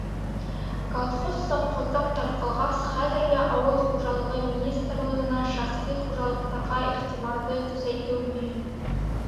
Колхоз-совхоздар тарҡалғас, хәҙерге Ауыл хужалығы министрлығына шәхси хужалыҡтарға иғтибарҙы көсәйтеү мөһим.